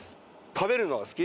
食べるのは好き？